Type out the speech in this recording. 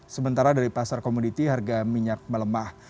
sementara dari pasar komoditi harga minyak melemah